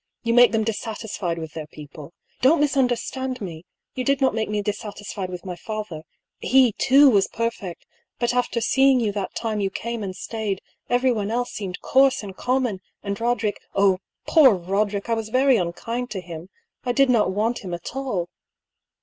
You make them dissatisfied with their people. Don't misunderstand me ! You did not make me dis satisfied with my father : he, too, was perfect. But after seeing you that time you came and stayed, everyone else seemed coarse and common ; and Roderick — oh, poor Roderick !— I was very unkind to him. I did not want him at all."